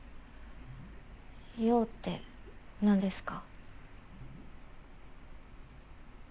用って何ですか？